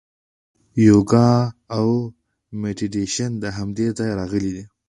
یوګا او میډیټیشن له همدې ځایه راغلي.